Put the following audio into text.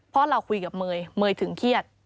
เพราะเราคุยกับเมย์เมย์ถึงเครียด